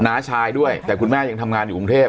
น้าชายด้วยแต่คุณแม่ยังทำงานอยู่กรุงเทพ